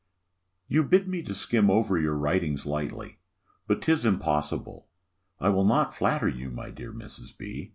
You bid me skim over your writings lightly; but 'tis impossible. I will not flatter you, my dear Mrs. B.